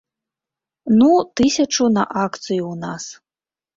Ну, тысячу на акцыю ў нас.